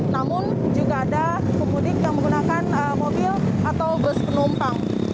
namun juga ada pemudik yang menggunakan mobil atau bus penumpang